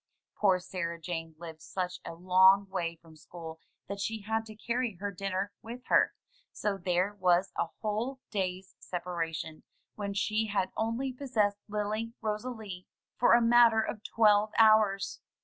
Poor Sarah Jane lived such a long way from school that she had to carry her dinner with her, so there was a whole day's separation, when she had only possessed Lily Rosalie for a mat 87 MY BOOK HOUSE ter of twelve hours.